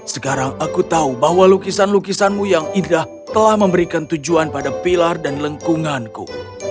sekarang aku tahu bahwa lukisan lukisanmu yang indah telah memberikan tujuan pada pilar dan lengkunganku